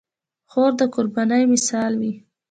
خور د قربانۍ مثال وي.